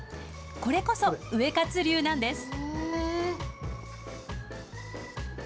これこそウエカツ流なんです。